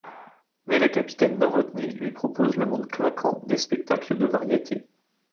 Mais le capitaine Nowotny lui propose le monde clinquant des spectacles de variétés.